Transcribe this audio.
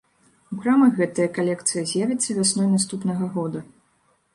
У крамах гэтая калекцыя з'явіцца вясной наступнага года.